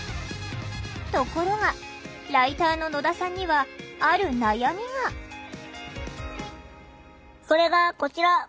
ところがライターの野田さんにはそれがこちら！